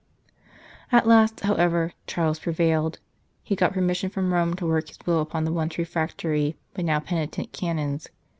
At last, however, Charles prevailed ; he got permission from Rome to work his will upon the once refractory, but now penitent, Canons.